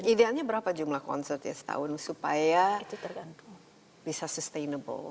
ideanya berapa jumlah konser setahun supaya bisa sustainable